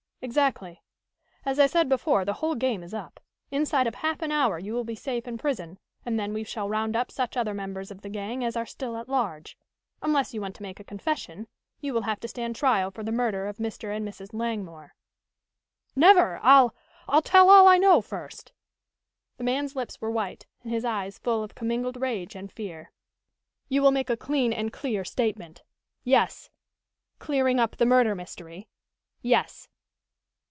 "Exactly. As I said before, the whole game is up. Inside of half an hour you will be safe in prison, and then we shall round up such other members of the gang as are still at large. Unless you want to make a confession, you will have to stand trial for the murder of Mr. and Mrs. Langmore." "Never! I'll I'll tell all I know, first!" The man's lips were white and his eyes full of commingled rage and fear. "You will make a clean and clear statement?" "Yes." "Clearing up the murder mystery?" "Yes."